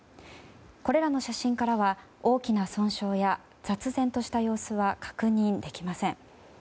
これらの写真からは大きな損傷や雑然とした様子は確認できません。